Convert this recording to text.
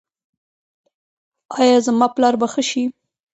ایا زما پلار به ښه شي؟